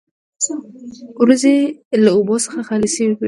وریځې له اوبو څخه خالي شوې وې.